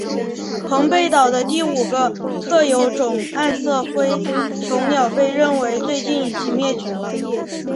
澎贝岛的第五个特有种暗色辉椋鸟被认为最近已经灭绝了。